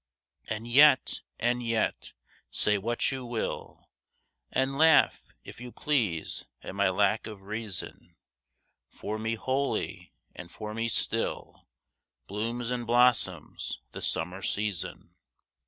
And yet, and yet, say what you will, And laugh, if you please, at my lack of reason, For me wholly, and for me still, Blooms and blossoms the Summer season.